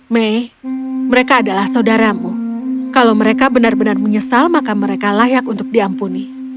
mei mereka adalah saudaramu kalau mereka benar benar menyesal maka mereka layak untuk diampuni